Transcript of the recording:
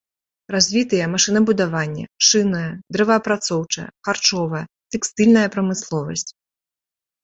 Развітыя машынабудаванне, шынная, дрэваапрацоўчая, харчовая, тэкстыльная прамысловасць.